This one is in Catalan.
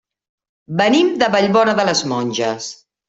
Venim de Vallbona de les Monges.